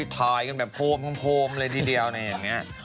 ที่ถ่ายเป็นโพมเพิ่มโพมอย่างนี้